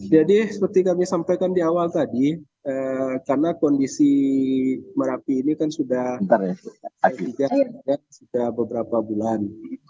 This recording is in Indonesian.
jadi seperti kami sampaikan di awal tadi karena kondisi merapi ini kan sudah beberapa bulan